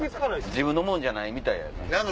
自分のものじゃないみたいやん。